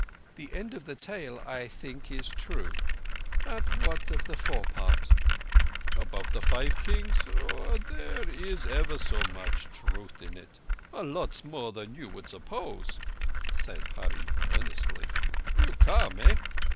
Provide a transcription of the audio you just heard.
"Humph! The end of the tale, I think, is true; but what of the fore part?" "About the Five Kings? Oah! there is ever so much truth in it. A lots more than you would suppose," said Hurree earnestly. "You come—eh?